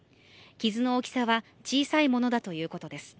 傷の大きさは小さいものだということです。